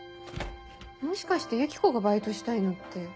もしかしてユキコがバイトしたいのって。